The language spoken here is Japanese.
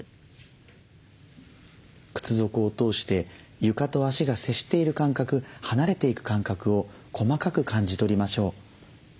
靴底を通して床と足が接している感覚離れていく感覚を細かく感じ取りましょう。